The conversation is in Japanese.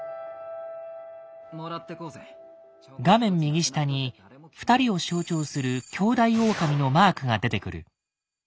画面右下に２人を象徴する兄弟狼のマークが出てくる。